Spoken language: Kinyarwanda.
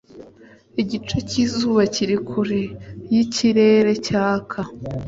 igice cy'izuba kiri kure y'ikirere cyaka